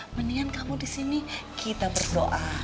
mendingan kamu disini kita berdoa